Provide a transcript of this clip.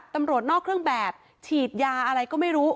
ตำรวจนอกเครื่องแบบฉีดยาอะไรก็ไม่รู้